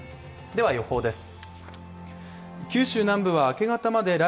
では予報です。